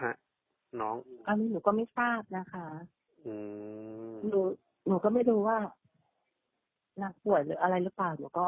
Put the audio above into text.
สหายนี้หนูก็ไม่ทราบนะคะหนูไม่รู้ว่านักฝ่วยหรือป่าด